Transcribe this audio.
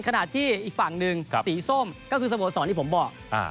ขณะที่อีกฝั่งหนึ่งสีส้มก็คือสโมสรที่ผมบอก